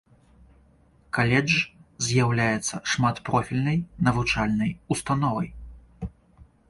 Каледж з'яўляецца шматпрофільнай навучальнай установай.